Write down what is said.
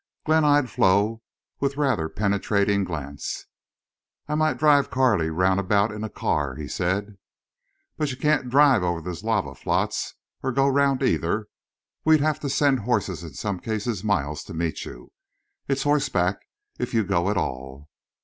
Glenn eyed Flo with rather penetrating glance. "I might drive Carley round about in the car," he said. "But you can't drive over those lava flats, or go round, either. We'd have to send horses in some cases miles to meet you. It's horseback if you go at all."